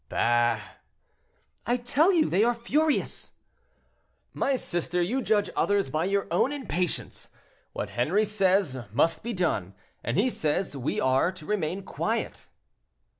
"Bah!" "I tell you they are furious." "My sister, you judge others by your own impatience. What Henri says must be done; and he says we are to remain quiet."